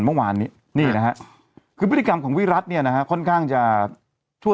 เมื่อวานนี้นี่นะฮะคือพฤติกรรมของวิรัติเนี่ยนะฮะค่อนข้างจะชั่ว